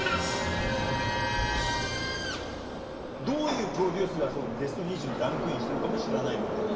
どういうプロデュースがベスト２０にランクインしてるかも知らないので。